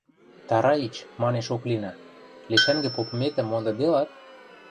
— Тараич, — манеш Оклина, — лешӓнгӹ попыметӹм мондыделат?